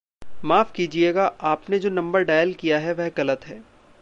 माफ़ कीजिएगा, आपने जो नम्बर डायल किया है वह ग़लत है।